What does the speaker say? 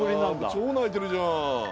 超泣いてるじゃん。